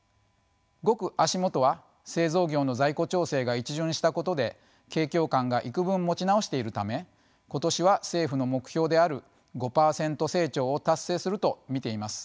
ごく足元は製造業の在庫調整が一巡したことで景況感が幾分持ち直しているため今年は政府の目標である５％成長を達成すると見ています。